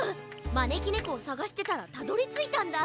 まねきねこをさがしてたらたどりついたんだ。